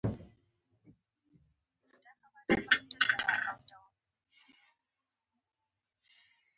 دیني فعالیتونه وو